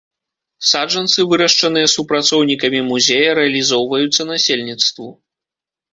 Саджанцы, вырашчаныя супрацоўнікамі музея, рэалізоўваюцца насельніцтву.